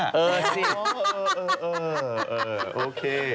เออเออเออโอเค